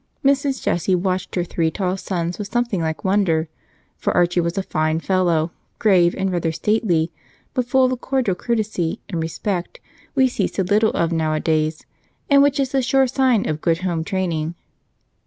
Mrs. Jessie watched her three tall sons with something like wonder, for Archie was a fine fellow, grave and rather stately, but full of the cordial courtesy and respect we see so little of nowadays and which is the sure sign of good home training.